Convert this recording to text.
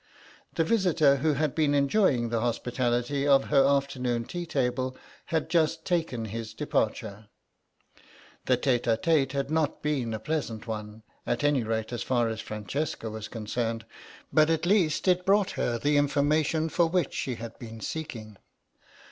The visitor who had been enjoying the hospitality of her afternoon tea table had just taken his departure. The tête à tête had not been a pleasant one, at any rate as far as Francesca was concerned, but at least it had brought her the information for which she had been seeking.